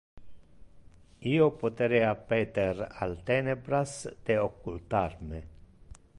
Io poterea peter al tenebras de occultar me.